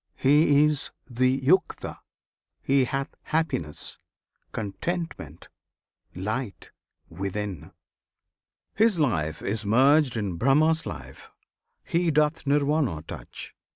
He is the Yukta; he hath happiness, Contentment, light, within: his life is merged In Brahma's life; he doth Nirvana touch!